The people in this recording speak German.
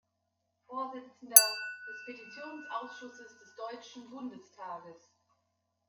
Vorsitzender des Petitionsausschusses des Deutschen Bundestages.